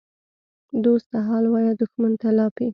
دوست ته حال وایه، دښمن ته لاپې.